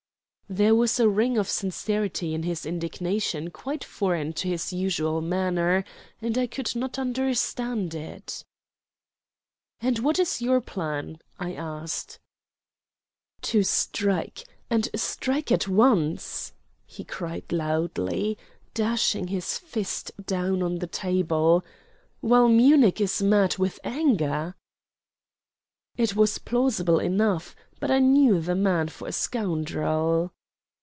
There was a ring of sincerity in this indignation quite foreign to his usual manner, and I could not understand it. "And what is your plan?" I asked. "To strike and strike at once," he cried loudly, dashing his fist down on the table, "while Munich is mad with anger." It was plausible enough, but I knew the man for a scoundrel.